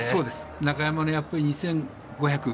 中山の２５００